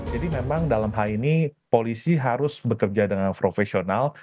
jadi memang dalam hal ini polisi harus bekerja dengan profesional